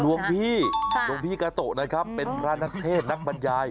หลวงพี่หลวงพี่กาโตะนะครับเป็นพระนักเทศนักบรรยาย